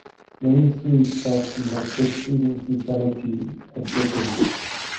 Many Swedes felt she had put Sweden's neutrality at jeopardy.